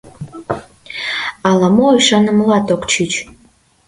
Ала-мо ӱшанымылат ок чуч!